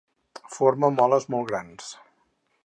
Forma moles molt grans.